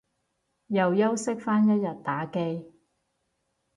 又休息返一日打機